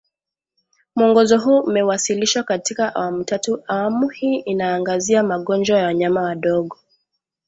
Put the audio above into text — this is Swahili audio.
Mwongozo huu umewasilishwa katika awamu tatu Awamu hii inaangazia magonjwa ya wanyama wadogo